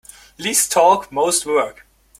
Least talk most work.